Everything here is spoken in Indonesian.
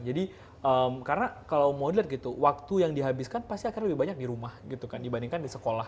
jadi karena kalau mau lihat gitu waktu yang dihabiskan pasti lebih banyak di rumah gitu kan dibandingkan di sekolah